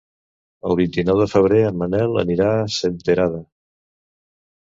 El vint-i-nou de febrer en Manel anirà a Senterada.